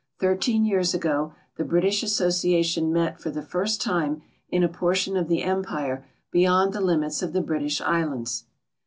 Thirteen years ago the British Association met for the first time in a i>or tion of tbe empire beyond tbe limits of the British islands.